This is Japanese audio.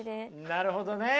なるほどね。